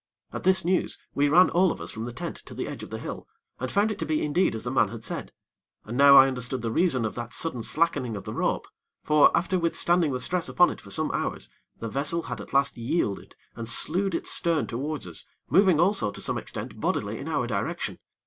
At this news, we ran all of us from the tent to the edge of the hill, and found it to be indeed as the man had said, and now I understood the reason of that sudden slackening of the rope; for, after withstanding the stress upon it for some hours, the vessel had at last yielded, and slewed its stern towards us, moving also to some extent bodily in our direction.